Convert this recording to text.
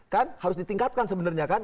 kan harus ditingkatkan sebenarnya kan